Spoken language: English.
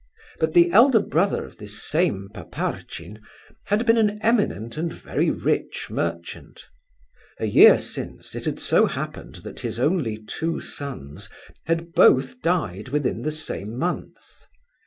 But the elder brother of this same Paparchin, had been an eminent and very rich merchant. A year since it had so happened that his only two sons had both died within the same month.